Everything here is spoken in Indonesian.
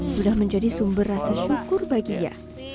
sudah menjadi sumber rasa syukur baginya